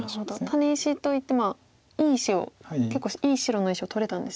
タネ石といっていい石を結構いい白の石を取れたんですよね。